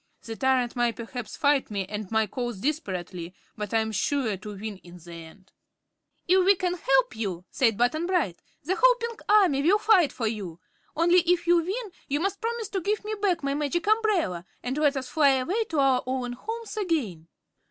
The tyrant will perhaps fight me and my cause desperately, but I am sure to win in the end." "If we can help you," said Button Bright, "the whole Pink Army will fight for you. Only, if you win, you must promise to give me back my Magic Umbrella and let us fly away to our own homes again."